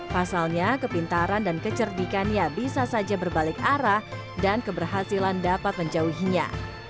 pasalnya kepintaran dan kecerdikannya bisa saja berbalik arah dan keberhasilan dapat menjauhinya